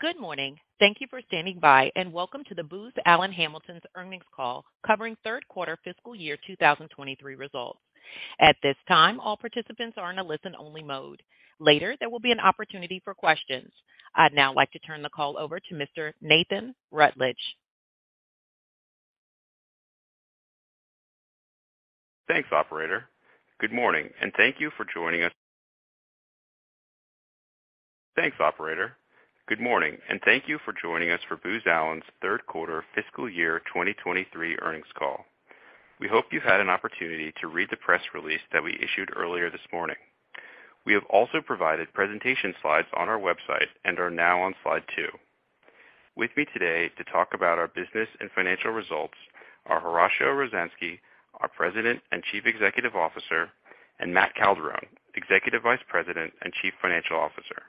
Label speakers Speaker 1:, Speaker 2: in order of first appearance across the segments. Speaker 1: Good morning. Thank you for standing by, welcome to the Booz Allen Hamilton's earnings call covering third quarter fiscal year 2023 results. At this time, all participants are in a listen-only mode. Later, there will be an opportunity for questions. I'd now like to turn the call over to Mr. Nathan Rutledge.
Speaker 2: Thanks, operator. Good morning, and thank you for joining us for Booz Allen's third quarter fiscal year 2023 earnings call. We hope you've had an opportunity to read the press release that we issued earlier this morning. We have also provided presentation slides on our website and are now on slide two. With me today to talk about our business and financial results are Horacio Rozanski, our President and Chief Executive Officer, and Matt Calderone, Executive Vice President and Chief Financial Officer.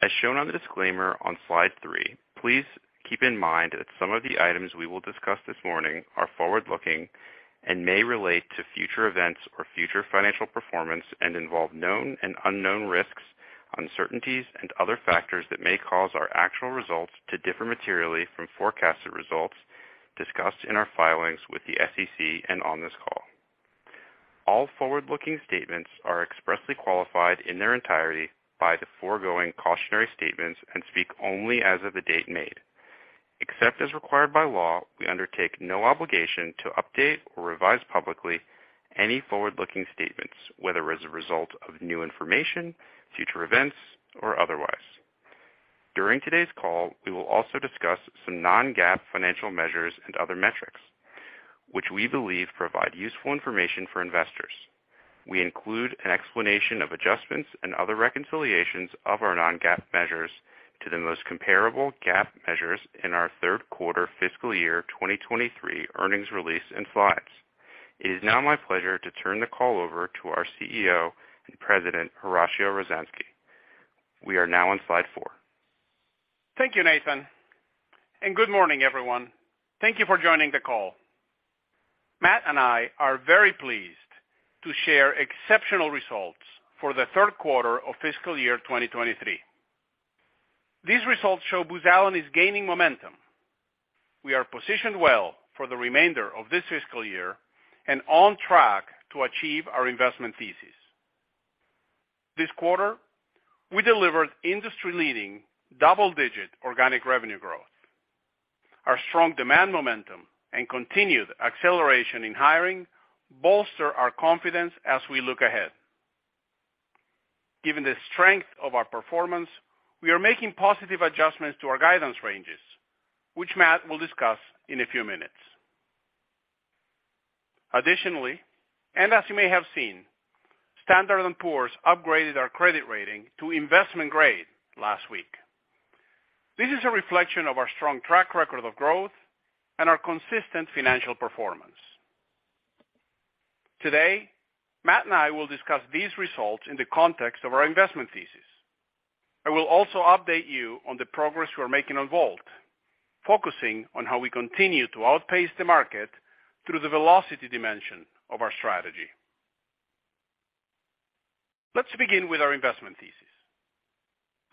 Speaker 2: As shown on the disclaimer on slide three, please keep in mind that some of the items we will discuss this morning are forward-looking and may relate to future events or future financial performance and involve known and unknown risks, uncertainties, and other factors that may cause our actual results to differ materially from forecasted results discussed in our filings with the SEC and on this call. All forward-looking statements are expressly qualified in their entirety by the foregoing cautionary statements and speak only as of the date made. Except as required by law, we undertake no obligation to update or revise publicly any forward-looking statements, whether as a result of new information, future events, or otherwise. During today's call, we will also discuss some non-GAAP financial measures and other metrics which we believe provide useful information for investors. We include an explanation of adjustments and other reconciliations of our non-GAAP measures to the most comparable GAAP measures in our third quarter fiscal year 2023 earnings release and slides. It is now my pleasure to turn the call over to our CEO and President, Horacio Rozanski. We are now on slide four.
Speaker 3: Thank you, Nathan. Good morning, everyone. Thank you for joining the call. Matt and I are very pleased to share exceptional results for the third quarter of fiscal year 2023. These results show Booz Allen is gaining momentum. We are positioned well for the remainder of this fiscal year and on track to achieve our investment thesis. This quarter, we delivered industry-leading double-digit organic revenue growth. Our strong demand momentum and continued acceleration in hiring bolster our confidence as we look ahead. Given the strength of our performance, we are making positive adjustments to our guidance ranges, which Matt will discuss in a few minutes. Additionally, as you may have seen, Standard & Poor's upgraded our credit rating to investment grade last week. This is a reflection of our strong track record of growth and our consistent financial performance. Today, Matt and I will discuss these results in the context of our investment thesis. I will also update you on the progress we're making on VoLT, focusing on how we continue to outpace the market through the velocity dimension of our strategy. Let's begin with our investment thesis.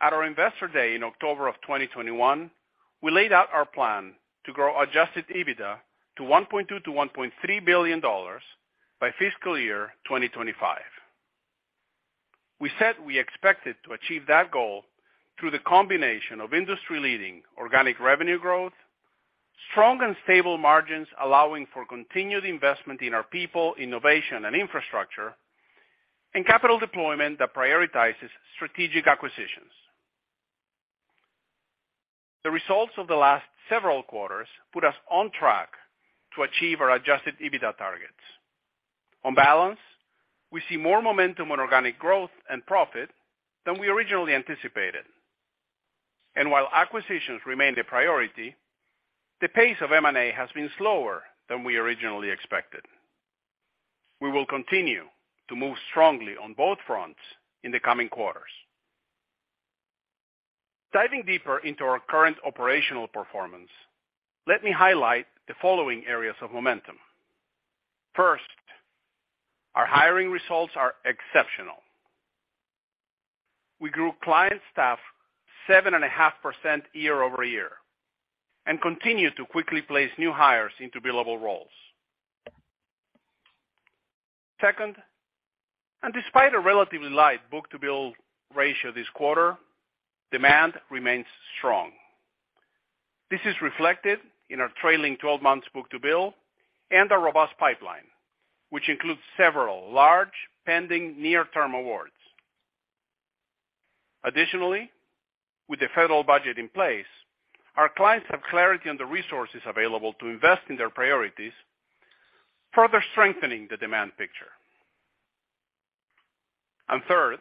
Speaker 3: At our Investor Day in October 2021, we laid out our plan to grow adjusted EBITDA to $1.2 billion-$1.3 billion by fiscal year 2025. We said we expected to achieve that goal through the combination of industry-leading organic revenue growth, strong and stable margins, allowing for continued investment in our people, innovation and infrastructure, and capital deployment that prioritizes strategic acquisitions. The results of the last several quarters put us on track to achieve our adjusted EBITDA targets. On balance, we see more momentum on organic growth and profit than we originally anticipated. While acquisitions remain the priority, the pace of M&A has been slower than we originally expected. We will continue to move strongly on both fronts in the coming quarters. Diving deeper into our current operational performance, let me highlight the following areas of momentum. First, our hiring results are exceptional. We grew client staff 7.5% year-over-year and continue to quickly place new hires into billable roles. Second, despite a relatively light book-to-bill ratio this quarter, demand remains strong. This is reflected in our trailing 12 months book-to-bill and our robust pipeline, which includes several large pending near-term awards. With the federal budget in place, our clients have clarity on the resources available to invest in their priorities, further strengthening the demand picture. Third,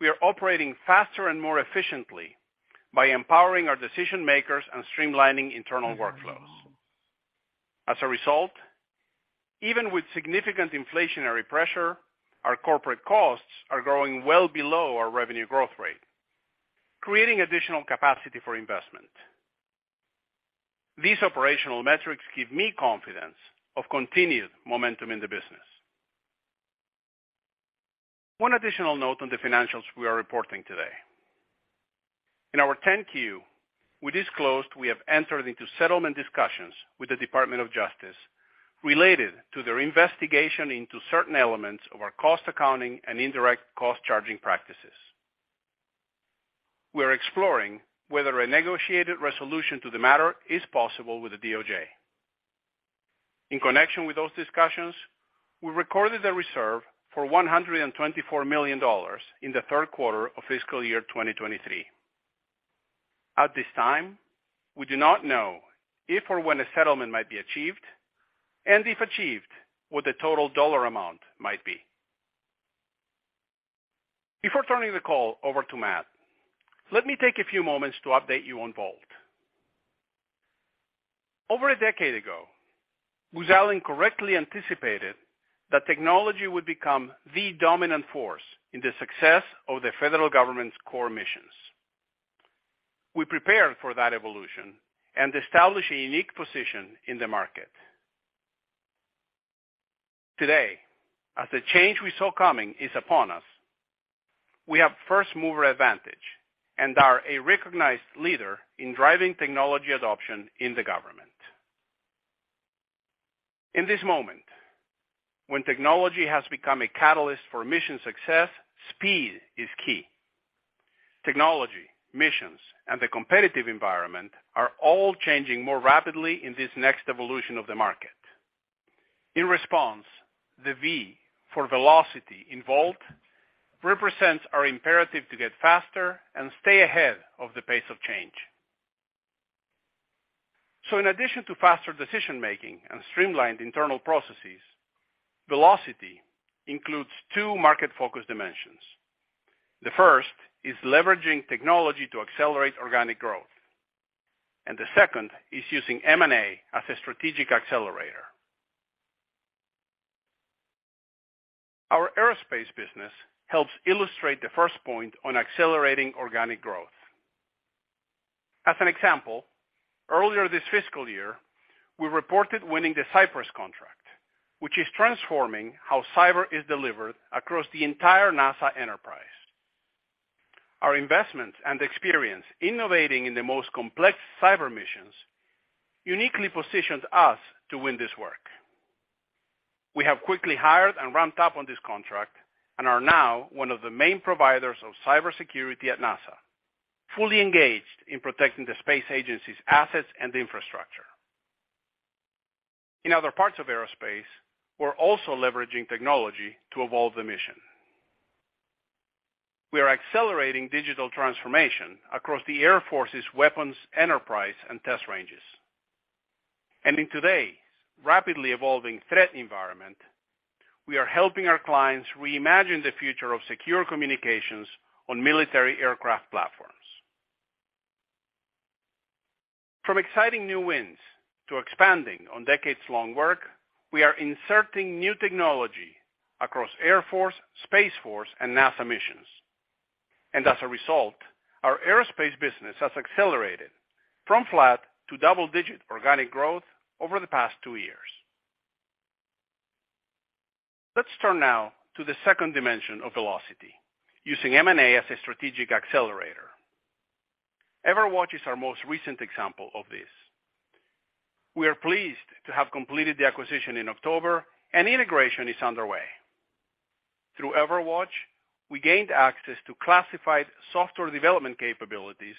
Speaker 3: we are operating faster and more efficiently by empowering our decision-makers and streamlining internal workflows. As a result, even with significant inflationary pressure, our corporate costs are growing well below our revenue growth rate, creating additional capacity for investment. These operational metrics give me confidence of continued momentum in the business. One additional note on the financials we are reporting today. In our 10-Q, we disclosed we have entered into settlement discussions with the Department of Justice related to their investigation into certain elements of our cost accounting and indirect cost charging practices. We are exploring whether a negotiated resolution to the matter is possible with the DOJ. In connection with those discussions, we recorded a reserve for $124 million in the third quarter of fiscal year 2023. At this time, we do not know if or when a settlement might be achieved, and if achieved, what the total dollar amount might be. Before turning the call over to Matt, let me take a few moments to update you on VoLT. Over a decade ago, Booz Allen correctly anticipated that technology would become the dominant force in the success of the federal government's core missions. We prepared for that evolution and established a unique position in the market. Today, as the change we saw coming is upon us, we have first mover advantage and are a recognized leader in driving technology adoption in the government. In this moment, when technology has become a catalyst for mission success, speed is key. Technology, missions, and the competitive environment are all changing more rapidly in this next evolution of the market. In response, the V for Velocity in VoLT represents our imperative to get faster and stay ahead of the pace of change. In addition to faster decision-making and streamlined internal processes, Velocity includes two market-focused dimensions. The first is leveraging technology to accelerate organic growth, and the second is using M&A as a strategic accelerator. Our aerospace business helps illustrate the first point on accelerating organic growth. As an example, earlier this fiscal year, we reported winning the CyPrESS contract, which is transforming how cyber is delivered across the entire NASA enterprise. Our investments and experience innovating in the most complex cyber missions uniquely positioned us to win this work. We have quickly hired and ramped up on this contract and are now one of the main providers of cybersecurity at NASA, fully engaged in protecting the space agency's assets and infrastructure. In other parts of aerospace, we're also leveraging technology to evolve the mission. We are accelerating digital transformation across the Air Force's weapons enterprise and test ranges. In today's rapidly evolving threat environment, we are helping our clients reimagine the future of secure communications on military aircraft platforms. From exciting new wins to expanding on decades-long work, we are inserting new technology across Air Force, Space Force, and NASA missions. As a result, our aerospace business has accelerated from flat to double-digit organic growth over the past two years. Let's turn now to the second dimension of velocity, using M&A as a strategic accelerator. EverWatch is our most recent example of this. We are pleased to have completed the acquisition in October and integration is underway. Through EverWatch, we gained access to classified software development capabilities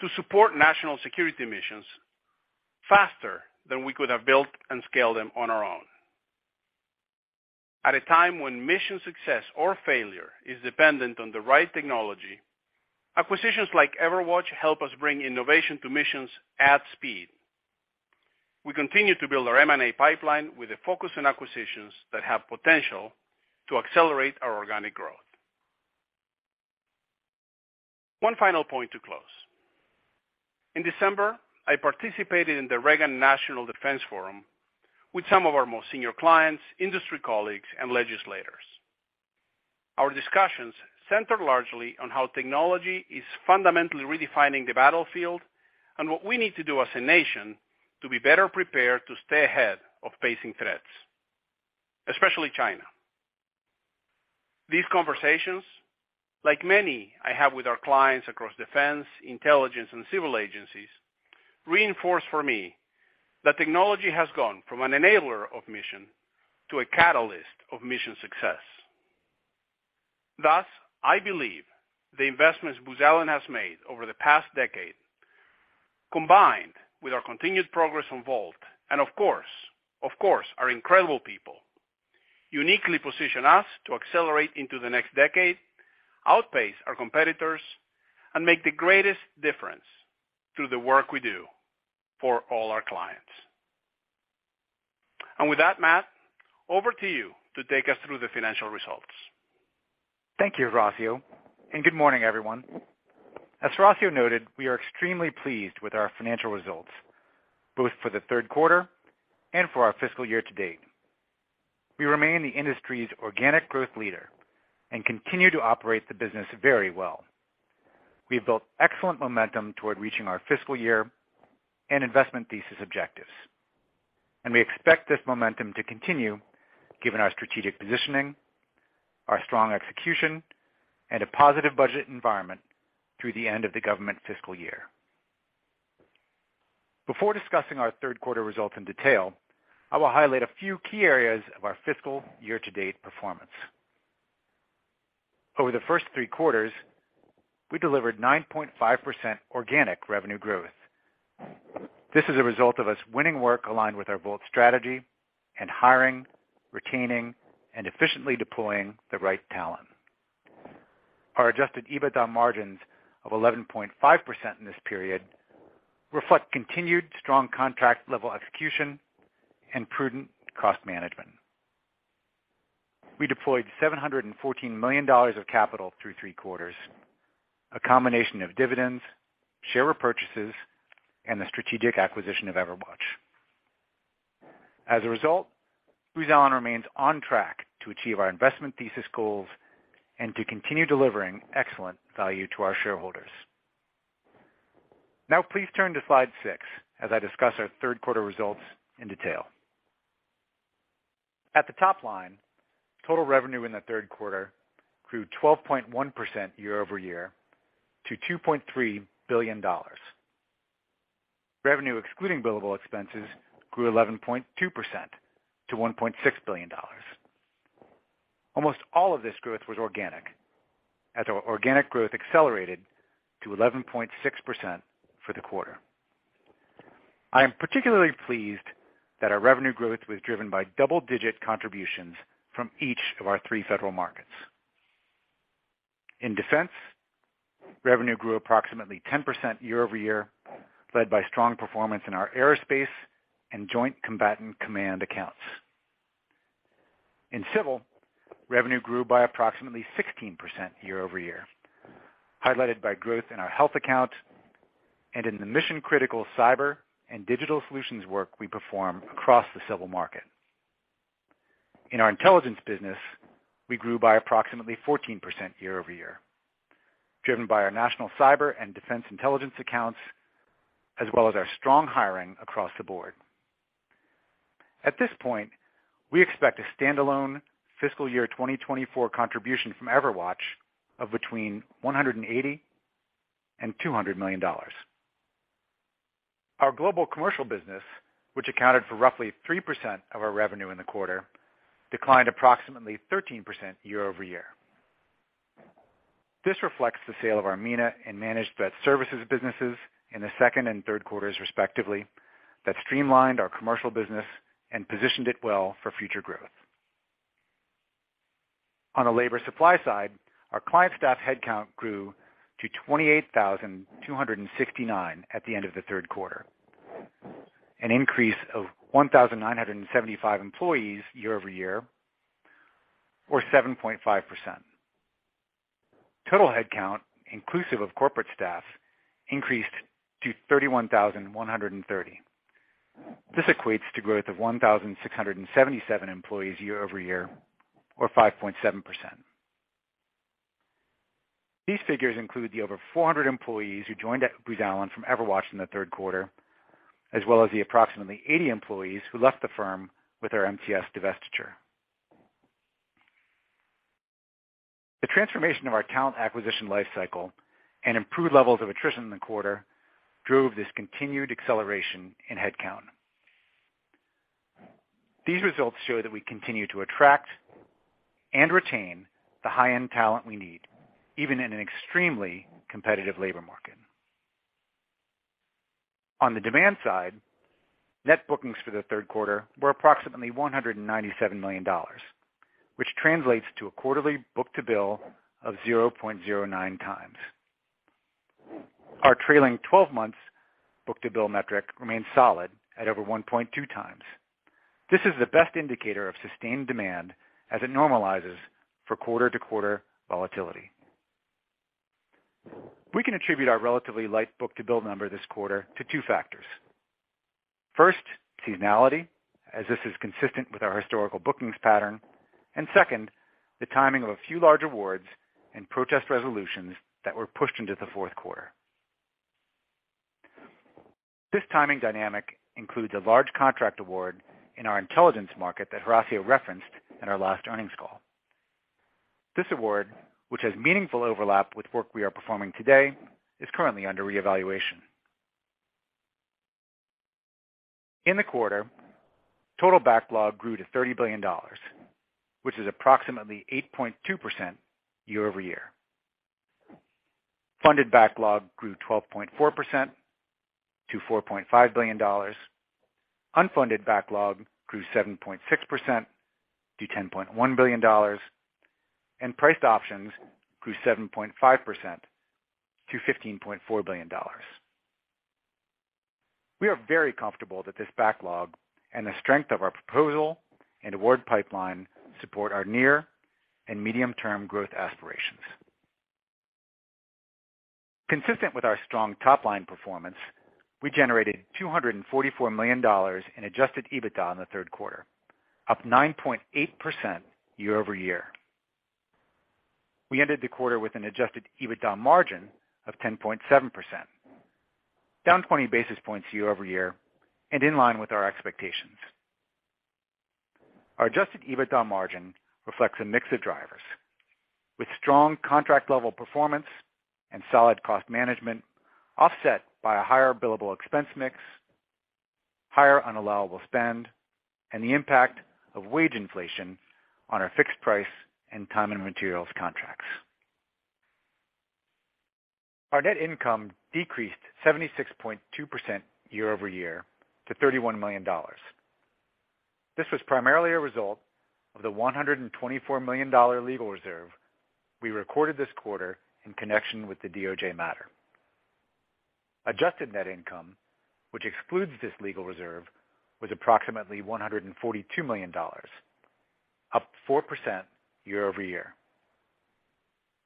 Speaker 3: to support national security missions faster than we could have built and scaled them on our own. At a time when mission success or failure is dependent on the right technology, acquisitions like EverWatch help us bring innovation to missions at speed. We continue to build our M&A pipeline with a focus on acquisitions that have potential to accelerate our organic growth. One final point to close. In December, I participated in the Reagan National Defense Forum with some of our most senior clients, industry colleagues, and legislators. Our discussions centered largely on how technology is fundamentally redefining the battlefield and what we need to do as a nation to be better prepared to stay ahead of facing threats, especially China. These conversations, like many I have with our clients across defense, intelligence, and civil agencies, reinforce for me that technology has gone from an enabler of mission to a catalyst of mission success. Thus, I believe the investments Booz Allen has made over the past decade, combined with our continued progress on VoLT and of course, our incredible people, uniquely position us to accelerate into the next decade, outpace our competitors, and make the greatest difference through the work we do for all our clients. With that, Matt, over to you to take us through the financial results.
Speaker 4: Thank you, Horacio, good morning, everyone. As Horacio noted, we are extremely pleased with our financial results, both for the third quarter and for our fiscal year to date. We remain the industry's organic growth leader and continue to operate the business very well. We've built excellent momentum toward reaching our fiscal year and investment thesis objectives. We expect this momentum to continue given our strategic positioning, our strong execution, and a positive budget environment through the end of the government fiscal year. Before discussing our third quarter results in detail, I will highlight a few key areas of our fiscal year-to-date performance. Over the first three quarters, we delivered 9.5% organic revenue growth. This is a result of us winning work aligned with our VoLT strategy and hiring, retaining, and efficiently deploying the right talent. Our Adjusted EBITDA margins of 11.5% in this period reflect continued strong contract level execution and prudent cost management. We deployed $714 million of capital through three quarters, a combination of dividends, share repurchases and the strategic acquisition of EverWatch. Booz Allen remains on track to achieve our investment thesis goals and to continue delivering excellent value to our shareholders. Please turn to slide six as I discuss our third quarter results in detail. At the top line, total revenue in the third quarter grew 12.1% year-over-year to $2.3 billion. Revenue excluding billable expenses grew 11.2% to $1.6 billion. Almost all of this growth was organic as our organic growth accelerated to 11.6% for the quarter. I am particularly pleased that our revenue growth was driven by double-digit contributions from each of our three federal markets. In defense, revenue grew approximately 10% year-over-year, led by strong performance in our aerospace and joint combatant command accounts. In civil, revenue grew by approximately 16% year-over-year, highlighted by growth in our health account and in the mission-critical cyber and digital solutions work we perform across the civil market. In our intelligence business, we grew by approximately 14% year-over-year, driven by our national cyber and defense intelligence accounts, as well as our strong hiring across the board. At this point, we expect a standalone fiscal year 2024 contribution from EverWatch of between $180 million and $200 million. Our global commercial business, which accounted for roughly 3% of our revenue in the quarter, declined approximately 13% year-over-year. This reflects the sale of our MENA and Managed Threat Services businesses in the second and third quarters, respectively, that streamlined our commercial business and positioned it well for future growth. On the labor supply side, our client staff headcount grew to 28,269 at the end of the third quarter, an increase of 1,975 employees year-over-year, or 7.5%. Total headcount, inclusive of corporate staff, increased to 31,130. This equates to growth of 1,677 employees year-over-year, or 5.7%. These figures include the over 400 employees who joined Booz Allen from EverWatch in the third quarter, as well as the approximately 80 employees who left the firm with our MTS divestiture. The transformation of our talent acquisition life cycle and improved levels of attrition in the quarter drove this continued acceleration in headcount. These results show that we continue to attract and retain the high-end talent we need, even in an extremely competitive labor market. On the demand side, net bookings for the third quarter were approximately $197 million, which translates to a quarterly book-to-bill of 0.09 times. Our trailing 12 months book-to-bill metric remains solid at over 1.2 times. This is the best indicator of sustained demand as it normalizes for quarter-to-quarter volatility. We can attribute our relatively light book-to-bill number this quarter to two factors. Seasonality, as this is consistent with our historical bookings pattern. Second, the timing of a few large awards and protest resolutions that were pushed into the fourth quarter. This timing dynamic includes a large contract award in our intelligence market that Horacio referenced in our last earnings call. This award, which has meaningful overlap with work we are performing today, is currently under reevaluation. In the quarter, total backlog grew to $30 billion, which is approximately 8.2% year-over-year. Funded backlog grew 12.4% to $4.5 billion. Unfunded backlog grew 7.6% to $10.1 billion. Priced options grew 7.5% to $15.4 billion. We are very comfortable that this backlog and the strength of our proposal and award pipeline support our near and medium-term growth aspirations. Consistent with our strong top-line performance, we generated $244 million in adjusted EBITDA in the third quarter, up 9.8% year-over-year. We ended the quarter with an adjusted EBITDA margin of 10.7%, down 20 basis points year-over-year and in line with our expectations. Our adjusted EBITDA margin reflects a mix of drivers with strong contract level performance and solid cost management, offset by a higher billable expense mix, higher unallowable spend, and the impact of wage inflation on our fixed price and time and materials contracts. Our net income decreased 76.2% year-over-year to $31 million. This was primarily a result of the $124 million legal reserve we recorded this quarter in connection with the DOJ matter. Adjusted net income, which excludes this legal reserve, was approximately $142 million, up 4% year-over-year.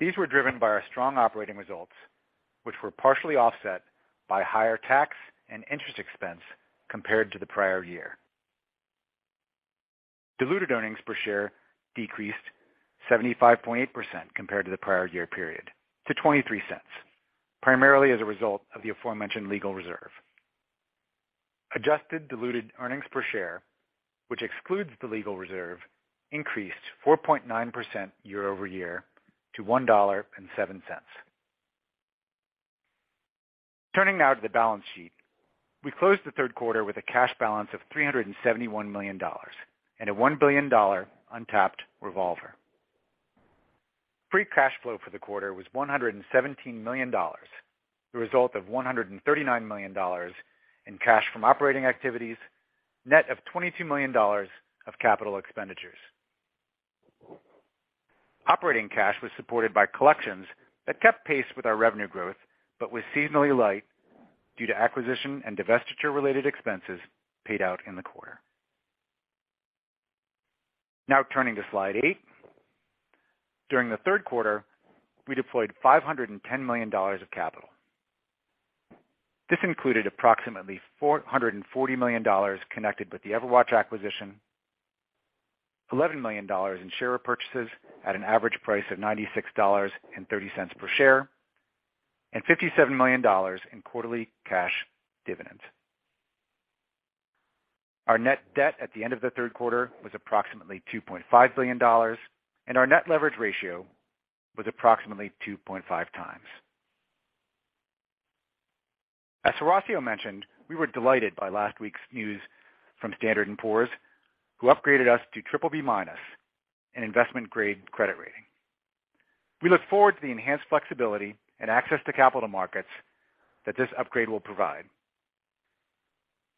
Speaker 4: These were driven by our strong operating results, which were partially offset by higher tax and interest expense compared to the prior year. Diluted earnings per share decreased 75.8% compared to the prior year period to $0.23, primarily as a result of the aforementioned legal reserve. Adjusted diluted earnings per share, which excludes the legal reserve, increased 4.9% year-over-year to $1.07. Turning now to the balance sheet. We closed the third quarter with a cash balance of $371 million and a $1 billion untapped revolver. Free cash flow for the quarter was $117 million, the result of $139 million in cash from operating activities, net of $22 million of capital expenditures. Operating cash was supported by collections that kept pace with our revenue growth, was seasonally light due to acquisition and divestiture related expenses paid out in the quarter. Turning to slide eight. During the third quarter, we deployed $510 million of capital. This included approximately $440 million connected with the EverWatch acquisition, $11 million in share purchases at an average price of $96.30 per share, and $57 million in quarterly cash dividends. Our net debt at the end of the third quarter was approximately $2.5 billion, Our net leverage ratio was approximately 2.5 times. As Horacio mentioned, we were delighted by last week's news from Standard & Poor's, who upgraded us to BBB-, an investment grade credit rating. We look forward to the enhanced flexibility and access to capital markets that this upgrade will provide,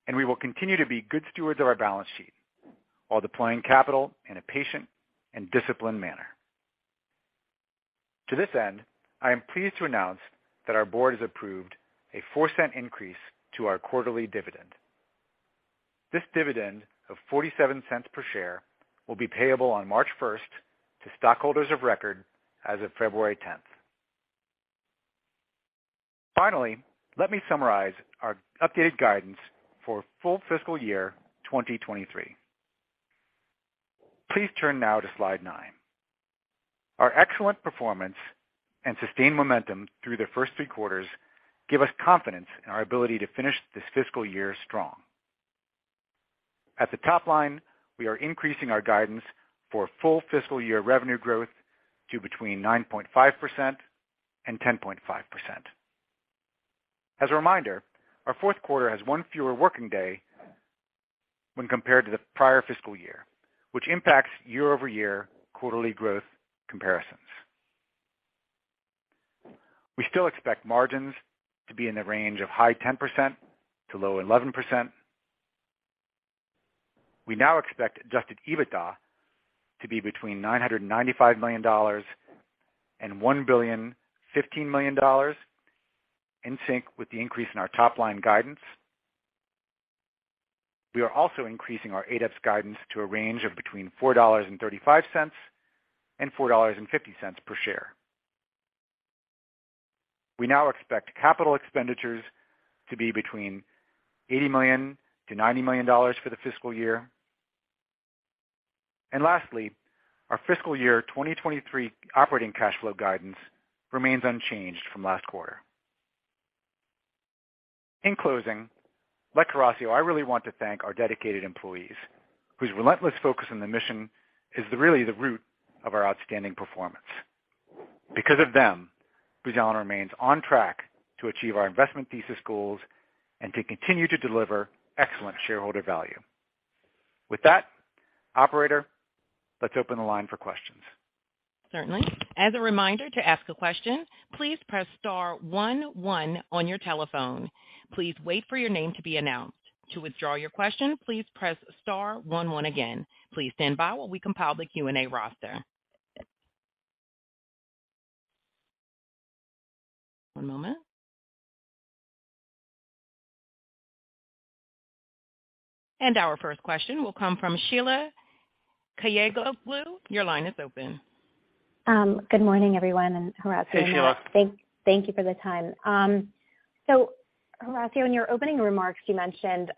Speaker 4: and we will continue to be good stewards of our balance sheet while deploying capital in a patient and disciplined manner. To this end, I am pleased to announce that our board has approved a $0.04 increase to our quarterly dividend. This dividend of $0.47 per share will be payable on March first to stockholders of record as of February 10th. Finally, let me summarize our updated guidance for full fiscal year 2023. Please turn now to slide nine. Our excellent performance and sustained momentum through the first 3 quarters give us confidence in our ability to finish this fiscal year strong. At the top line, we are increasing our guidance for full fiscal year revenue growth to between 9.5% and 10.5%. As a reminder, our fourth quarter has 1 fewer working day when compared to the prior fiscal year, which impacts year-over-year quarterly growth comparisons. We still expect margins to be in the range of high 10%-low 11%. We now expect Adjusted EBITDA to be between $995 million and $1.015 billion, in sync with the increase in our top line guidance. We are also increasing our ADES guidance to a range of between $4.35 and $4.50 per share. We now expect capital expenditures to be between $80 million to $90 million for the fiscal year. Lastly, our fiscal year 2023 operating cash flow guidance remains unchanged from last quarter. In closing, like Horacio, I really want to thank our dedicated employees whose relentless focus on the mission is really the root of our outstanding performance. Because of them, Booz Allen remains on track to achieve our investment thesis goals and to continue to deliver excellent shareholder value. With that, operator, let's open the line for questions.
Speaker 1: Certainly. As a reminder to ask a question, please press star one one on your telephone. Please wait for your name to be announced. To withdraw your question, please press star one one again. Please stand by while we compile the Q&A roster. One moment. Our first question will come from Sheila Kahyaoglu. Your line is open.
Speaker 5: Good morning, everyone, and Horacio as well.
Speaker 3: Hey, Sheila.
Speaker 5: Thank you for the time. Horacio, in your opening remarks, you mentioned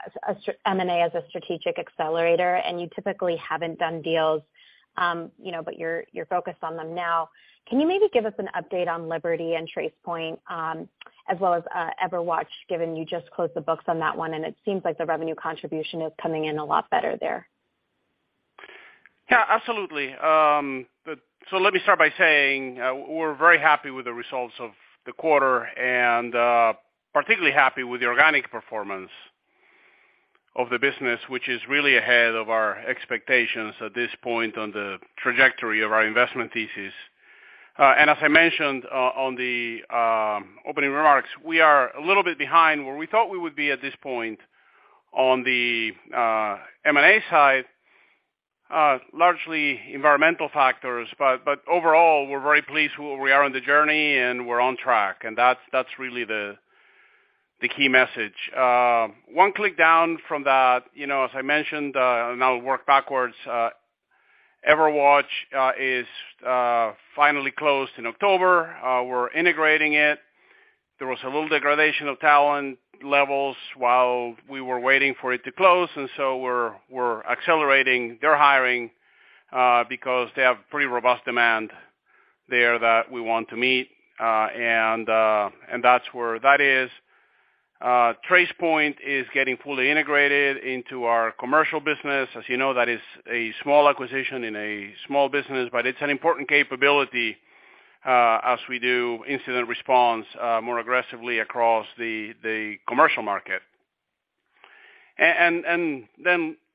Speaker 5: M&A as a strategic accelerator, and you typically haven't done deals, you know, but you're focused on them now. Can you maybe give us an update on Liberty and Tracepoint, as well as EverWatch, given you just closed the books on that one, and it seems like the revenue contribution is coming in a lot better there?
Speaker 3: Yeah, absolutely. Let me start by saying, we're very happy with the results of the quarter and particularly happy with the organic performance of the business, which is really ahead of our expectations at this point on the trajectory of our investment thesis. As I mentioned, on the opening remarks, we are a little bit behind where we thought we would be at this point on the M&A side, largely environmental factors. Overall, we're very pleased where we are on the journey, and we're on track, and that's really the key message. One click down from that, you know, as I mentioned, and I'll work backwards, EverWatch is finally closed in October. We're integrating it. There was a little degradation of talent levels while we were waiting for it to close, we're accelerating their hiring because they have pretty robust demand there that we want to meet, and that's where that is. Tracepoint is getting fully integrated into our commercial business. As you know, that is a small acquisition in a small business, but it's an important capability as we do incident response more aggressively across the commercial market.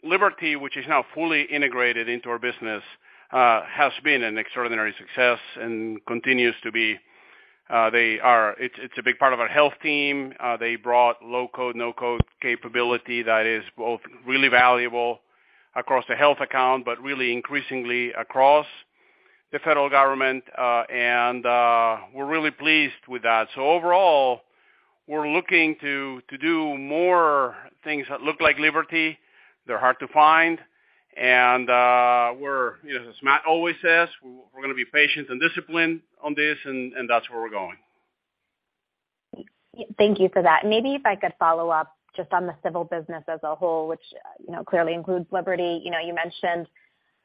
Speaker 3: Liberty, which is now fully integrated into our business, has been an extraordinary success and continues to be. It's a big part of our health team. They brought low-code, no-code capability that is both really valuable across the health account, but really increasingly across the federal government, and we're really pleased with that. Overall, we're looking to do more things that look like Liberty. They're hard to find. We're, you know, as Matt always says, we're gonna be patient and disciplined on this and that's where we're going.
Speaker 5: Thank you for that. Maybe if I could follow up just on the civil business as a whole, which, you know, clearly includes Liberty. You know, you mentioned,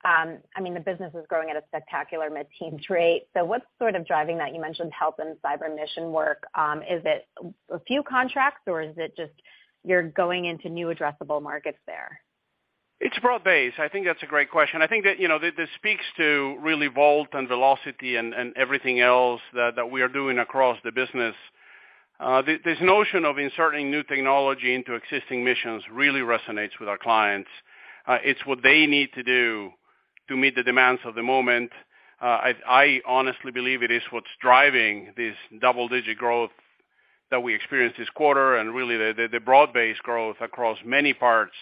Speaker 5: I mean, the business is growing at a spectacular mid-teen rate. What's sort of driving that? You mentioned health and cyber mission work. Is it a few contracts or is it just you're going into new addressable markets there?
Speaker 3: It's broad-based. I think that's a great question. I think that, you know, this speaks to really VoLT and velocity and everything else that we are doing across the business. This notion of inserting new technology into existing missions really resonates with our clients. It's what they need to do to meet the demands of the moment. I honestly believe it is what's driving this double-digit growth that we experienced this quarter and really the broad-based growth across many parts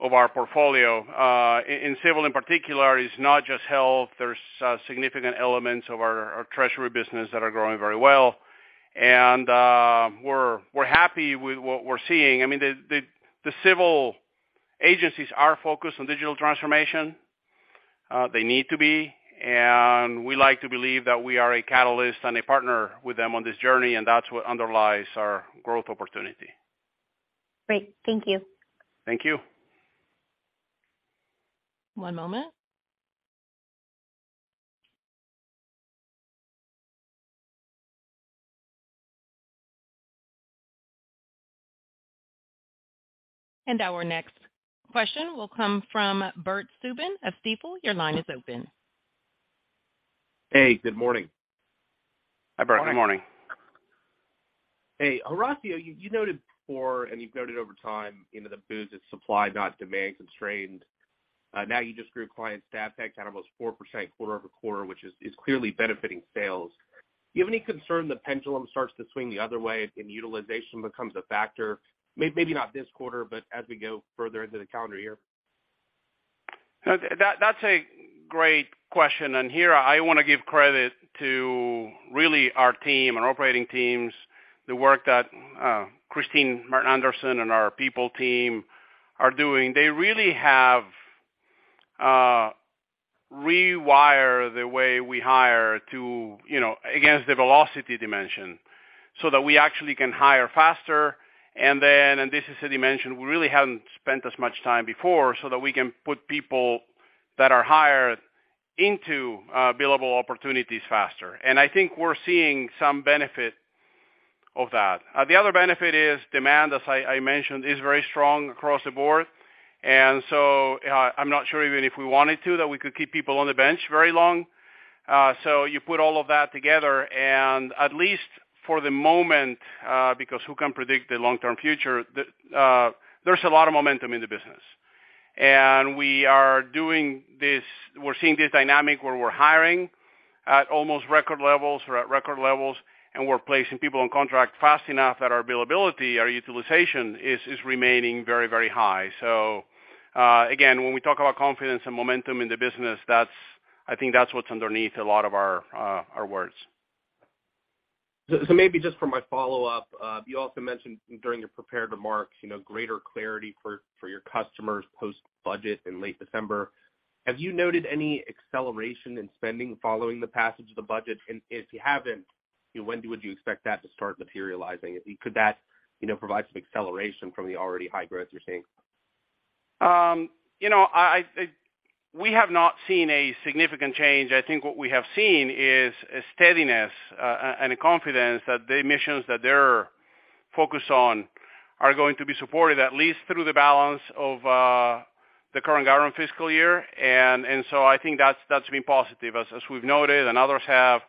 Speaker 3: of our portfolio. In civil in particular, it's not just health. There's significant elements of our treasury business that are growing very well. We're happy with what we're seeing. I mean, the civil agencies are focused on digital transformation. They need to be. We like to believe that we are a catalyst and a partner with them on this journey, and that's what underlies our growth opportunity.
Speaker 5: Great. Thank you.
Speaker 3: Thank you.
Speaker 1: One moment. Our next question will come from Bert Subin of Stifel. Your line is open.
Speaker 6: Hey, good morning.
Speaker 3: Hi, Bert. Good morning.
Speaker 6: Hey, Horacio, you noted before, and you've noted over time, you know, the business is supply, not demand constrained. Now you just grew client staff headcount almost 4% quarter-over-quarter, which is clearly benefiting sales. Do you have any concern the pendulum starts to swing the other way and utilization becomes a factor? Maybe not this quarter, but as we go further into the calendar year.
Speaker 3: That's a great question. Here I wanna give credit to really our team and operating teams, the work that, Kristine Martinussen and our people team are doing. They really have, rewire the way we hire to, you know, against the velocity dimension so that we actually can hire faster. This is a dimension we really haven't spent as much time before, so that we can put people that are hired into, billable opportunities faster. I think we're seeing some benefit of that. The other benefit is demand, as I mentioned, is very strong across the board. I'm not sure even if we wanted to, that we could keep people on the bench very long. You put all of that together, and at least for the moment, because who can predict the long-term future, there's a lot of momentum in the business. We're seeing this dynamic where we're hiring at almost record levels or at record levels, and we're placing people on contract fast enough that our availability, our utilization is remaining very, very high. Again, when we talk about confidence and momentum in the business, that's, I think, that's what's underneath a lot of our words.
Speaker 6: Maybe just for my follow-up, you also mentioned during your prepared remarks, you know, greater clarity for your customers post-budget in late December. Have you noted any acceleration in spending following the passage of the budget? If you haven't, when would you expect that to start materializing? Could that, you know, provide some acceleration from the already high growth you're seeing?
Speaker 3: You know, we have not seen a significant change. I think what we have seen is a steadiness and a confidence that the missions that they're focused on are going to be supported at least through the balance of the current government fiscal year. I think that's been positive. As we've noted, and others have,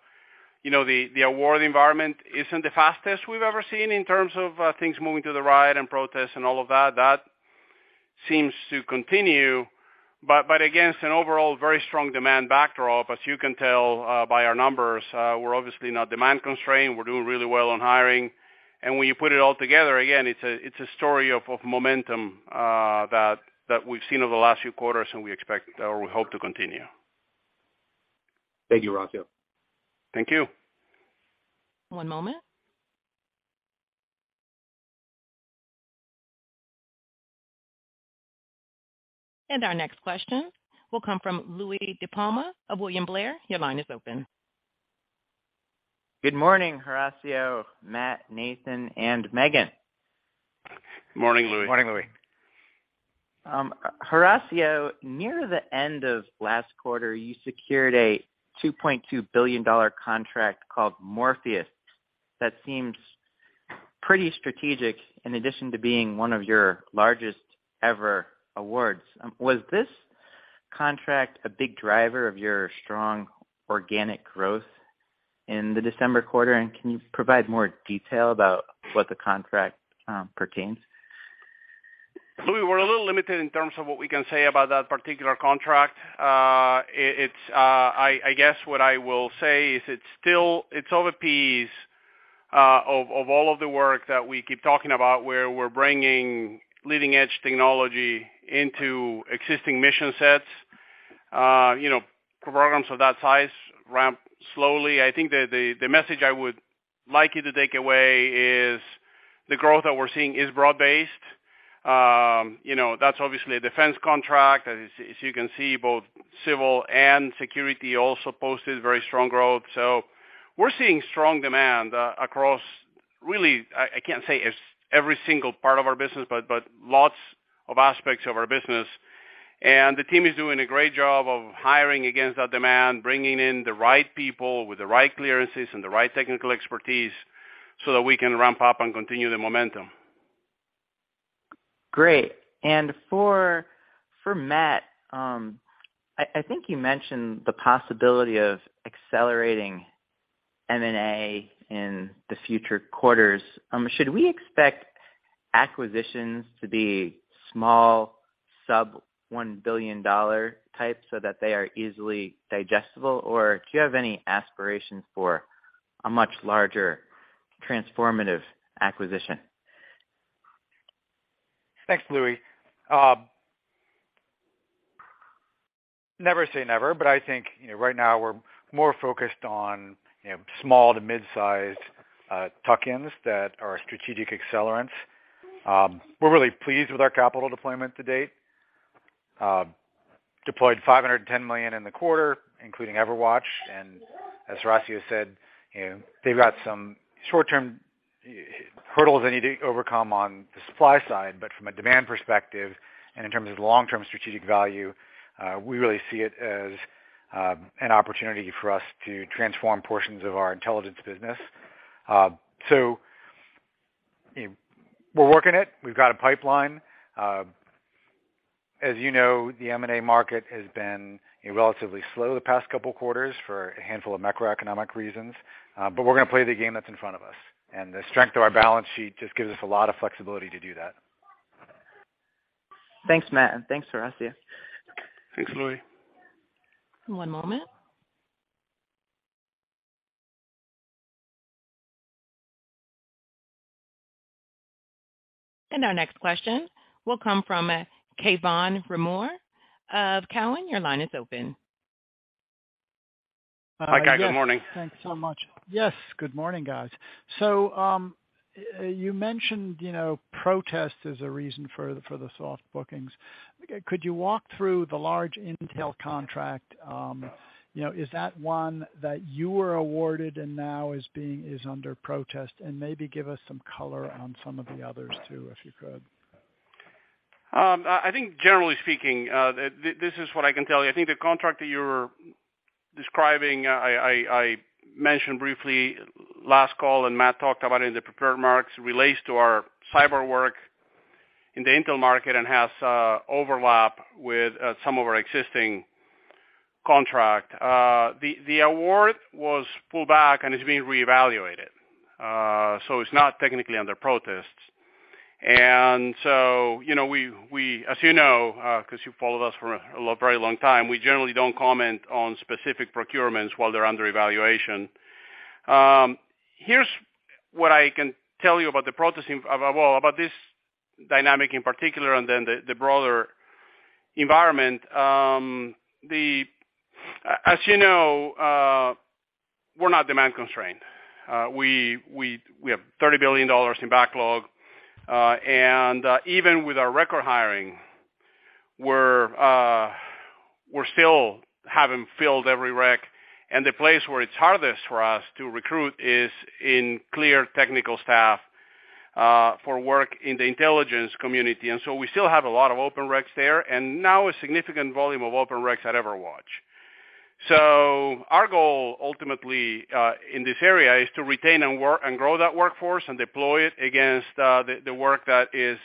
Speaker 3: you know, the award environment isn't the fastest we've ever seen in terms of things moving to the right and protests and all of that. That seems to continue. Against an overall very strong demand backdrop, as you can tell by our numbers, we're obviously not demand constrained. We're doing really well on hiring. When you put it all together, again, it's a story of momentum that we've seen over the last few quarters, and we expect or we hope to continue.
Speaker 6: Thank you, Horacio.
Speaker 3: Thank you.
Speaker 1: One moment. Our next question will come from Louie DiPalma of William Blair. Your line is open.
Speaker 7: Good morning, Horacio, Matt, Nathan, and Megan.
Speaker 3: Morning, Louie.
Speaker 4: Morning, Louie.
Speaker 7: Horacio, near the end of last quarter, you secured a $2.2 billion contract called Morpheus that seems pretty strategic, in addition to being one of your largest ever awards. Was this contract a big driver of your strong organic growth in the December quarter, and can you provide more detail about what the contract pertains?
Speaker 3: Louie, we're a little limited in terms of what we can say about that particular contract. I guess what I will say is it's of a piece of all of the work that we keep talking about, where we're bringing leading-edge technology into existing mission sets. You know, programs of that size ramp slowly. I think that the message I would like you to take away is the growth that we're seeing is broad-based. You know, that's obviously a Defense contract. As you can see, both civil and security also posted very strong growth. We're seeing strong demand across really, I can't say every single part of our business, but lots of aspects of our business. The team is doing a great job of hiring against that demand, bringing in the right people with the right clearances and the right technical expertise so that we can ramp up and continue the momentum.
Speaker 7: Great. For Matt, I think you mentioned the possibility of accelerating M&A in the future quarters. Should we expect acquisitions to be small sub-$1 billion type so that they are easily digestible, or do you have any aspirations for a much larger transformative acquisition?
Speaker 4: Thanks, Louie. Never say never, but I think, you know, right now we're more focused on, you know, small to mid-sized tuck-ins that are strategic accelerants. We're really pleased with our capital deployment to date. Deployed $510 million in the quarter, including EverWatch. As Horacio said, you know, they've got some short-term hurdles they need to overcome on the supply side. From a demand perspective and in terms of long-term strategic value, we really see it as an opportunity for us to transform portions of our intelligence business. You know, we're working it. We've got a pipeline. As you know, the M&A market has been relatively slow the past couple quarters for a handful of macroeconomic reasons, but we're gonna play the game that's in front of us, and the strength of our balance sheet just gives us a lot of flexibility to do that.
Speaker 7: Thanks, Matt, and thanks, Horacio.
Speaker 3: Thanks, Louie.
Speaker 1: One moment. Our next question will come from Cai von Rumohr of Cowen. Your line is open.
Speaker 4: Hi, Cai, good morning.
Speaker 8: Thanks so much. Yes, good morning, guys. You mentioned, you know, protests as a reason for the soft bookings. Could you walk through the large Intel contract? You know, is that one that you were awarded and now is under protest? Maybe give us some color on some of the others too, if you could.
Speaker 3: I think generally speaking, this is what I can tell you. I think the contract that you're describing, I mentioned briefly last call, and Matt talked about it in the prepared remarks, relates to our cyber work in the Intel market and has overlap with some of our existing contract. The award was pulled back and is being reevaluated, so it's not technically under protests. You know, we, as you know, because you've followed us for a very long time, we generally don't comment on specific procurements while they're under evaluation. Here's what I can tell you about the protests about this dynamic in particular and then the broader environment. As you know, we're not demand constrained. We have $30 billion in backlog. Even with our record hiring, we're still haven't filled every req. The place where it's hardest for us to recruit is in clear technical staff, for work in the intelligence community. We still have a lot of open reqs there, and now a significant volume of open reqs at EverWatch. Our goal ultimately, in this area is to retain and grow that workforce and deploy it against the work that is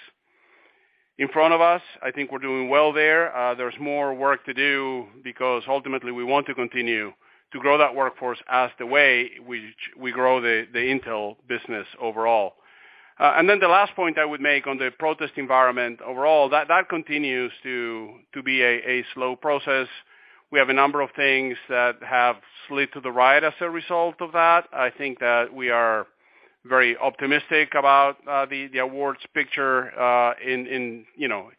Speaker 3: in front of us. I think we're doing well there. There's more work to do because ultimately we want to continue to grow that workforce as the way which we grow the intel business overall. The last point I would make on the protest environment overall, that continues to be a slow process. We have a number of things that have slid to the right as a result of that. I think that we are very optimistic about the awards picture, in, you know,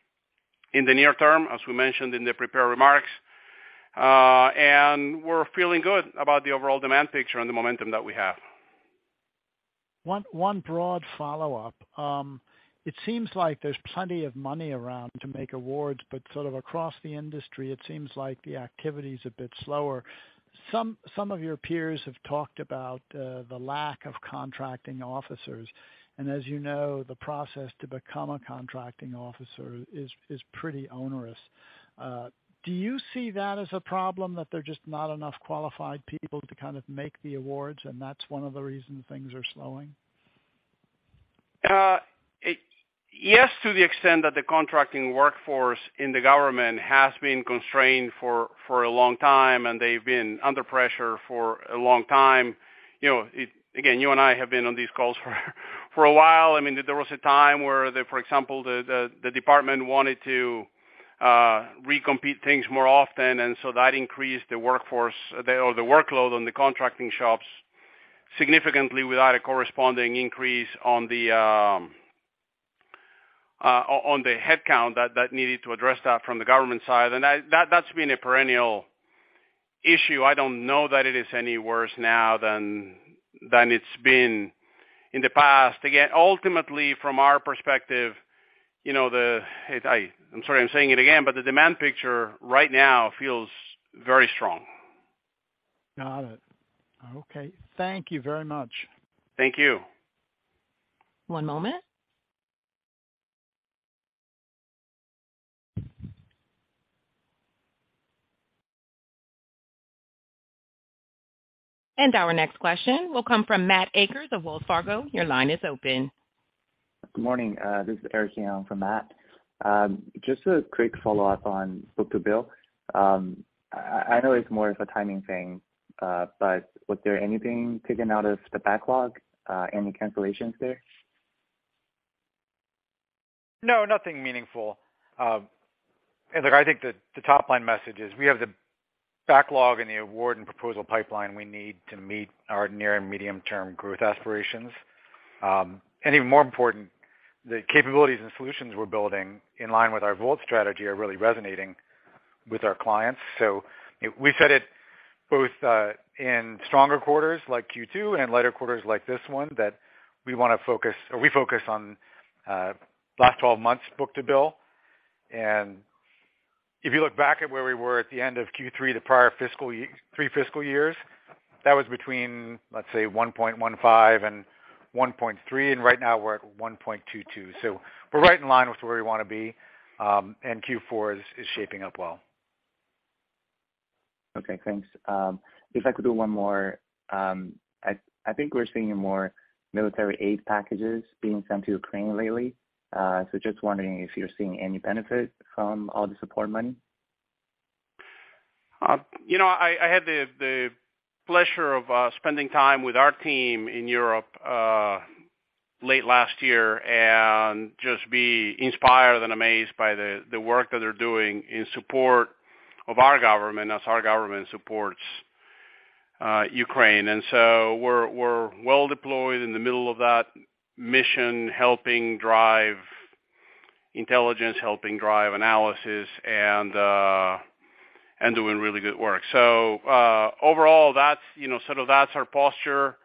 Speaker 3: in the near term, as we mentioned in the prepared remarks. We're feeling good about the overall demand picture and the momentum that we have.
Speaker 8: One broad follow-up. It seems like there's plenty of money around to make awards, but sort of across the industry, it seems like the activity's a bit slower. Some of your peers have talked about the lack of contracting officers. As you know, the process to become a contracting officer is pretty onerous. Do you see that as a problem that there are just not enough qualified people to kind of make the awards, and that's one of the reasons things are slowing?
Speaker 3: Yes, to the extent that the contracting workforce in the government has been constrained for a long time, and they've been under pressure for a long time. You know, again, you and I have been on these calls for a while. I mean, there was a time where the, for example, the department wanted to recompete things more often, and so that increased the workforce or the workload on the contracting shops significantly without a corresponding increase on the headcount that needed to address that from the government side. That's been a perennial issue. I don't know that it is any worse now than it's been in the past. Again, ultimately, from our perspective, you know, I'm sorry I'm saying it again, but the demand picture right now feels very strong.
Speaker 8: Got it. Okay. Thank you very much.
Speaker 3: Thank you.
Speaker 1: One moment. Our next question will come from Matthew Akers of Wells Fargo. Your line is open.
Speaker 9: Good morning. This is Eric Allen from Matt. Just a quick follow-up on book-to-bill. I know it's more of a timing thing, but was there anything taken out of the backlog? Any cancellations there?
Speaker 3: No, nothing meaningful. Look, I think the top-line message is we have the backlog in the award and proposal pipeline we need to meet our near and medium-term growth aspirations. Even more important, the capabilities and solutions we're building in line with our VoLT strategy are really resonating with our clients. We said it both in stronger quarters like Q2 and lighter quarters like this one, that we wanna focus or we focus on last 12 months book-to-bill. If you look back at where we were at the end of Q3, the prior three fiscal years, that was between, let's say, 1.15 and 1.3, and right now we're at 1.22. We're right in line with where we wanna be, and Q4 is shaping up well.
Speaker 9: Okay, thanks. If I could do one more. I think we're seeing more military aid packages being sent to Ukraine lately. just wondering if you're seeing any benefit from all the support money.
Speaker 3: you know, I had the pleasure of spending time with our team in Europe late last year and just be inspired and amazed by the work that they're doing in support of our government as our government supports Ukraine. We're well deployed in the middle of that mission, helping drive intelligence, helping drive analysis and doing really good work. Overall that's, you know, sort of our posture.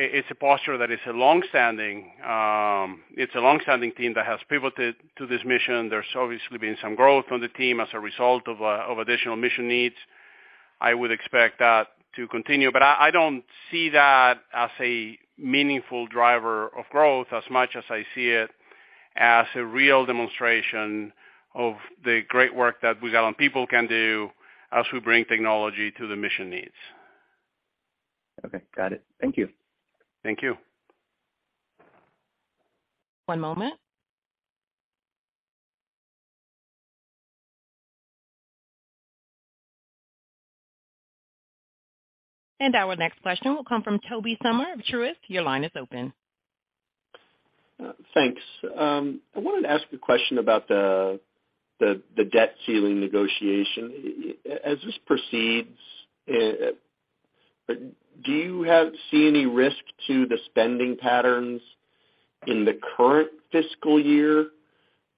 Speaker 3: It's a posture that is a long-standing team that has pivoted to this mission. There's obviously been some growth on the team as a result of additional mission needs. I would expect that to continue. I don't see that as a meaningful driver of growth as much as I see it as a real demonstration of the great work that Booz Allen people can do as we bring technology to the mission needs.
Speaker 9: Okay. Got it. Thank you.
Speaker 3: Thank you.
Speaker 1: One moment. Our next question will come from Tobey Sommer of Truist. Your line is open.
Speaker 10: Thanks. I wanted to ask a question about the debt ceiling negotiation. As this proceeds, do you see any risk to the spending patterns? In the current fiscal year,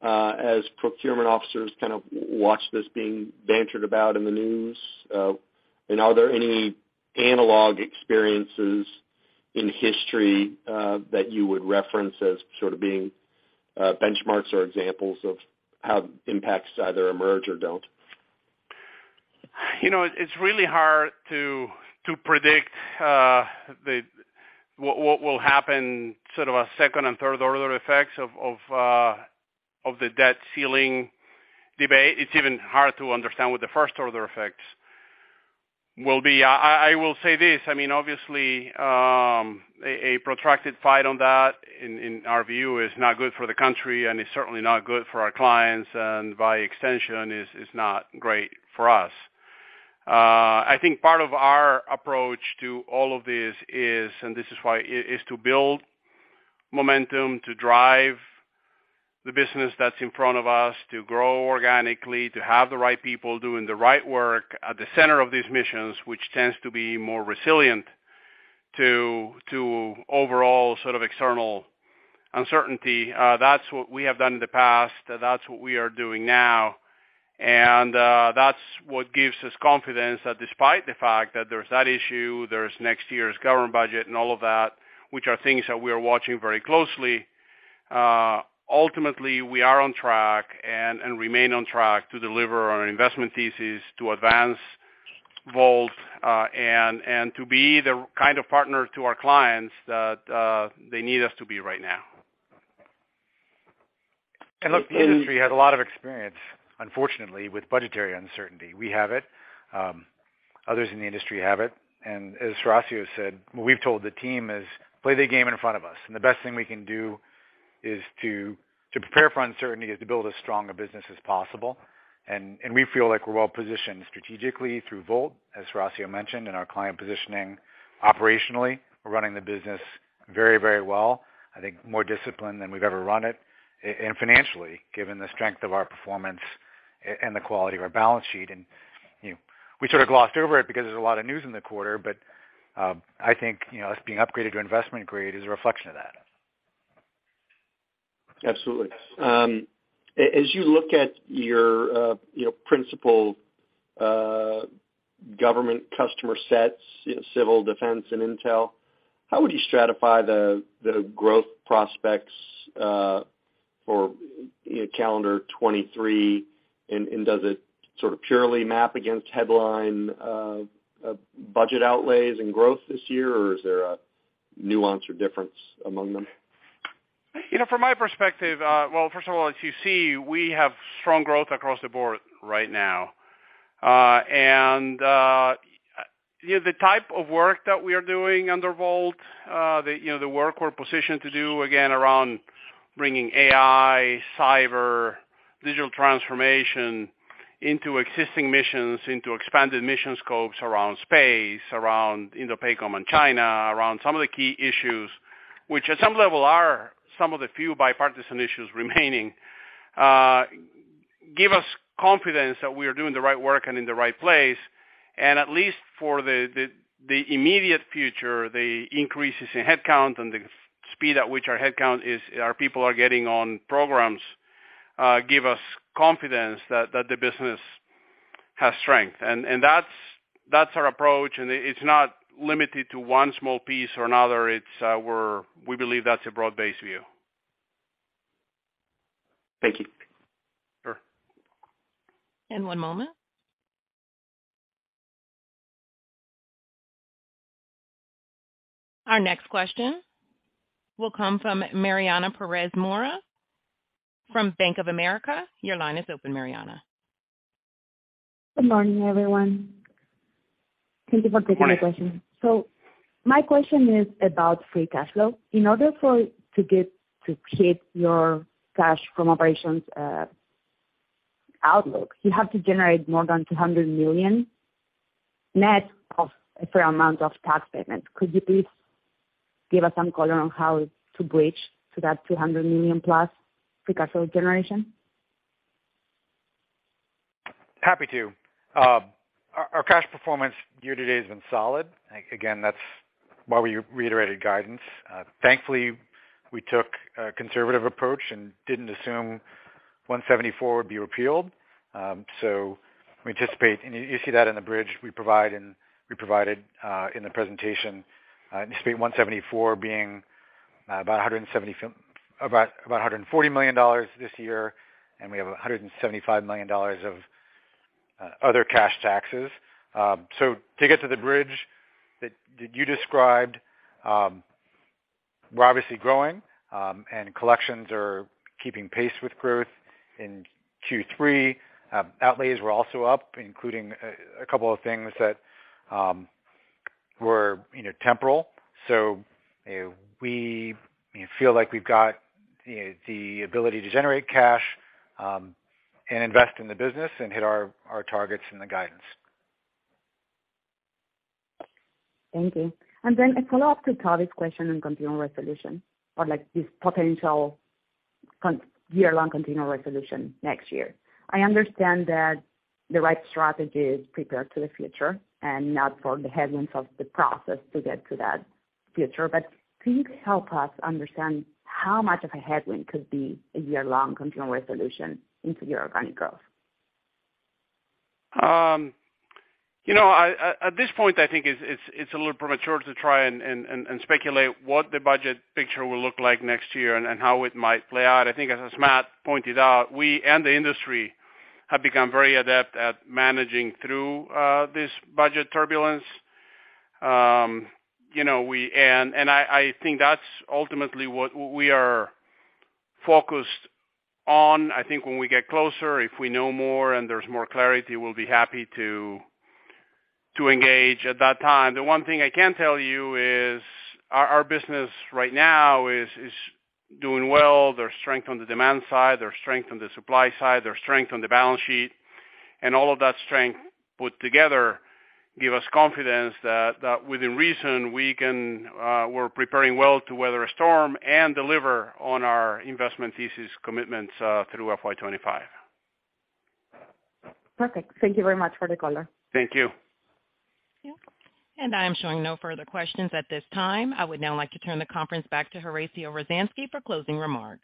Speaker 10: as procurement officers kind of watch this being bantered about in the news, are there any analog experiences in history that you would reference as sort of being benchmarks or examples of how impacts either emerge or don't?
Speaker 3: You know, it's really hard to predict what will happen, sort of a second and third order effects of the debt ceiling debate. It's even harder to understand what the first order effects will be. I will say this, I mean, obviously, a protracted fight on that, in our view, is not good for the country and is certainly not good for our clients, and by extension, is not great for us. I think part of our approach to all of this is, and this is why, is to build momentum, to drive the business that's in front of us, to grow organically, to have the right people doing the right work at the center of these missions, which tends to be more resilient to overall sort of external uncertainty. That's what we have done in the past. That's what we are doing now. That's what gives us confidence that despite the fact that there's that issue, there's next year's government budget and all of that, which are things that we are watching very closely, ultimately, we are on track and remain on track to deliver on our investment thesis to advance VoLT, and to be the kind of partner to our clients that they need us to be right now.
Speaker 4: Look, the industry has a lot of experience, unfortunately, with budgetary uncertainty. We have it. Others in the industry have it. As Horacio said, what we've told the team is, "Play the game in front of us." The best thing we can do is to prepare for uncertainty, is to build as strong a business as possible. We feel like we're well-positioned strategically through VoLT, as Horacio mentioned, in our client positioning operationally. We're running the business very well. I think more disciplined than we've ever run it. Financially, given the strength of our performance and the quality of our balance sheet. You know, we sort of glossed over it because there's a lot of news in the quarter, but I think, you know, us being upgraded to investment grade is a reflection of that.
Speaker 10: Absolutely. As you look at your, you know, principal, government customer sets, you know, civil defense and intel, how would you stratify the growth prospects, for, you know, calendar 2023, does it sort of purely map against headline, budget outlays and growth this year, or is there a nuance or difference among them?
Speaker 3: You know, from my perspective, well, first of all, as you see, we have strong growth across the board right now. You know, the type of work that we are doing under VoLT, you know, the work we're positioned to do, again, around bringing AI, cyber, digital transformation into existing missions, into expanded mission scopes, around space, around, you know, PACOM and China, around some of the key issues, which at some level are some of the few bipartisan issues remaining, give us confidence that we are doing the right work and in the right place. At least for the immediate future, the increases in headcount and the speed at which our headcount is, our people are getting on programs, give us confidence that the business has strength. That's our approach. It's not limited to one small piece or another. It's, we believe that's a broad-based view.
Speaker 10: Thank you.
Speaker 3: Sure.
Speaker 1: One moment. Our next question will come from Mariana Perez Mora from Bank of America. Your line is open, Mariana.
Speaker 11: Good morning, everyone. Thank you for taking my question.
Speaker 3: Morning.
Speaker 11: My question is about free cash flow. In order to get to hit your cash from operations outlook, you have to generate more than $200 million net of a fair amount of tax payments. Could you please give us some color on how to bridge to that $200 million-plus free cash flow generation?
Speaker 4: Happy to. Our, our cash performance year to date has been solid. Again, that's why we reiterated guidance. Thankfully, we took a conservative approach and didn't assume Section 174 would be repealed. So we anticipate, and you see that in the bridge we provide we provided in the presentation. We anticipate Section 174 being about $140 million this year, and we have $175 million of other cash taxes. So to get to the bridge that you described, we're obviously growing, and collections are keeping pace with growth in Q3. Outlays were also up, including a couple of things that were, you know, temporal. We feel like we've got the ability to generate cash, and invest in the business and hit our targets and the guidance.
Speaker 11: Thank you. Then a follow-up to Tobey's question on continuing resolution or, like, this potential year-long continuing resolution next year. I understand that the right strategy is prepare to the future and not for the headwinds of the process to get to that future. Can you help us understand how much of a headwind could be a year-long continuing resolution into your organic growth?
Speaker 3: you know, at this point, I think it's a little premature to try and speculate what the budget picture will look like next year and how it might play out. I think as Matt pointed out, we and the industry have become very adept at managing through this budget turbulence. you know, we and I think that's ultimately what we are focused on. I think when we get closer, if we know more and there's more clarity, we'll be happy to engage at that time. The one thing I can tell you is our business right now is doing well. There's strength on the demand side, there's strength on the supply side, there's strength on the balance sheet. All of that strength put together give us confidence that within reason, we can, we're preparing well to weather a storm and deliver on our investment thesis commitments through FY25.
Speaker 11: Perfect. Thank you very much for the color.
Speaker 3: Thank you.
Speaker 1: I am showing no further questions at this time. I would now like to turn the conference back to Horacio Rozanski for closing remarks.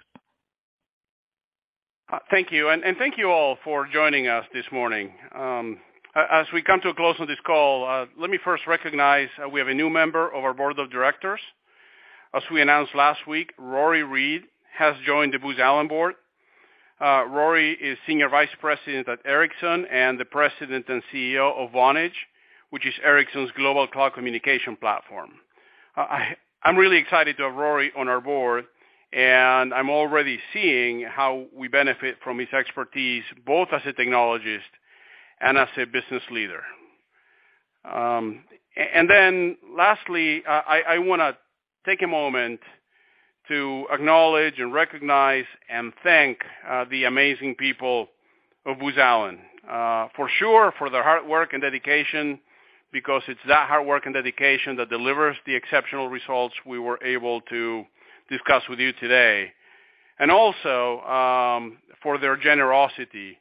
Speaker 3: Thank you. Thank you all for joining us this morning. As we come to a close on this call, let me first recognize, we have a new member of our board of directors. As we announced last week, Rory Read has joined the Booz Allen board. Rory is Senior Vice President at Ericsson and the President and CEO of Vonage, which is Ericsson's global cloud communication platform. I'm really excited to have Rory on our board, and I'm already seeing how we benefit from his expertise, both as a technologist and as a business leader. And then lastly, I wanna take a moment to acknowledge and recognize and thank, the amazing people of Booz Allen. For sure for their hard work and dedication, because it's that hard work and dedication that delivers the exceptional results we were able to discuss with you today. Also, for their generosity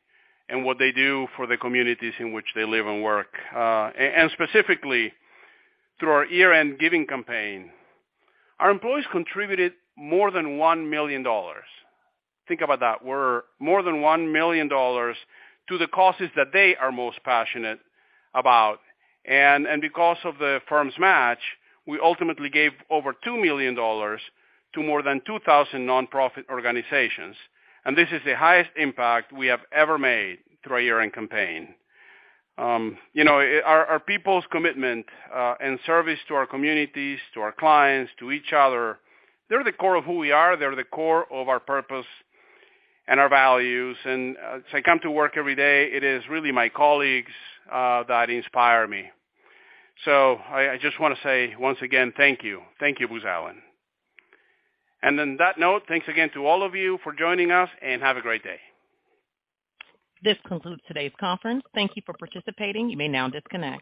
Speaker 3: and what they do for the communities in which they live and work. Specifically through our year-end giving campaign, our employees contributed more than $1 million. Think about that. We're more than $1 million to the causes that they are most passionate about. Because of the firm's match, we ultimately gave over $2 million to more than 2,000 non-profit organizations. This is the highest impact we have ever made through our year-end campaign. You know, our people's commitment and service to our communities, to our clients, to each other, they're the core of who we are, they're the core of our purpose and our values. As I come to work every day, it is really my colleagues that inspire me. I just wanna say, once again, thank you. Thank you, Booz Allen. On that note, thanks again to all of you for joining us, and have a great day.
Speaker 1: This concludes today's conference. Thank you for participating. You may now disconnect.